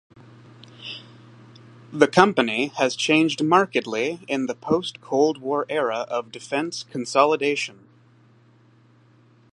The company has changed markedly in the post-Cold War era of defense consolidation.